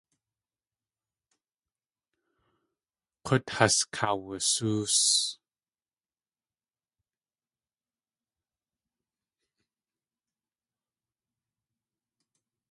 K̲ut has kaawasóos.